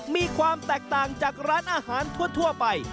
มีความแตกต่างจากร้านอาหารทั่วไป